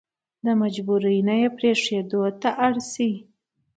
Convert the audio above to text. له مجبوري نه يې پرېښودو ته اړ شي.